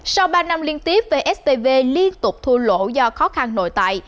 sau ba năm liên tiếp vstv liên tục thua lỗ do khó khăn nội tại